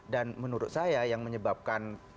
dan menurut saya yang menyebabkan